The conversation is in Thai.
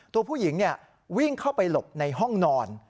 ตัวผู้หญิงวิ่งเข้าไปหลบในห้องนอน